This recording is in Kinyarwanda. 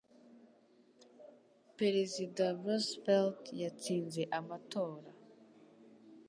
Perezida Roosevelt yatsinze amatora